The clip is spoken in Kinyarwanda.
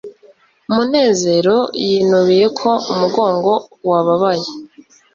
munezero yinubiye ko umugongo wababaye